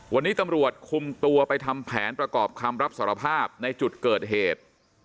วันนี้ตำรวจคุมตัวไปทำแผนประกอบคำรับสารภาพในจุดเกิดเหตุ